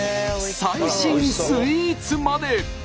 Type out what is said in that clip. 最新スイーツまで！